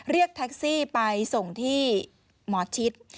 เรียกแท็กซี่ไปส่งที่หมอชิด